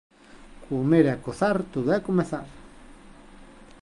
Comer e cozar todo é comezar